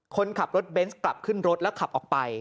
คนขับรถเบนส์กลับขึ้นรถแล้วขับออกไป